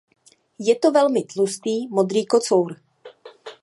Je to velmi tlustý modrý kocour.